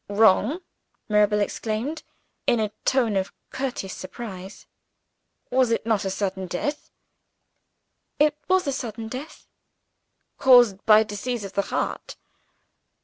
"Wrong!" Mirabel exclaimed, in a tone of courteous surprise. "Was it not a sudden death?" "It was a sudden death." "Caused by disease of the heart?"